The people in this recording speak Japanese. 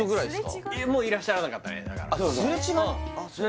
もういらっしゃらなかったねすれ違い？